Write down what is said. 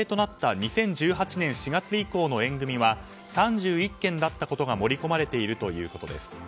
２０１８年４月以降の縁組は３１件だったことが盛り込まれているということです。